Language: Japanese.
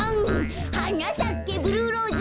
「はなさけブルーローズ」